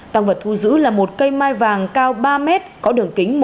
tăng vật thu giữ là một cây mai vàng cao ba m có đường kính một hai m